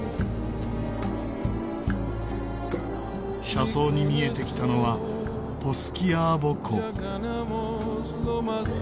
車窓に見えてきたのはポスキアーヴォ湖。